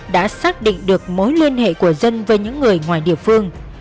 đã xác định được mối liên hệ của dân với những người ngoài địa phương